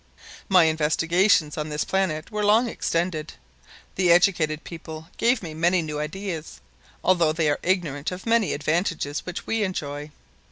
My investigations on this planet were long extended. The educated people gave me many new ideas, although they are ignorant of many advantages which we enjoy.